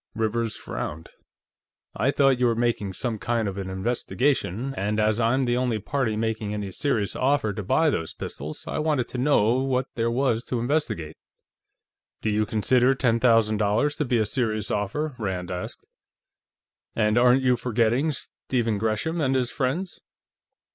Rivers frowned. "I thought you were making some kind of an investigation, and as I'm the only party making any serious offer to buy those pistols, I wanted to know what there was to investigate." "Do you consider ten thousand dollars to be a serious offer?" Rand asked. "And aren't you forgetting Stephen Gresham and his friends?"